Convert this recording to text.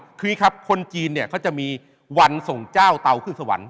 คืออย่างนี้ครับคนจีนเนี่ยเขาจะมีวันส่งเจ้าเตาขึ้นสวรรค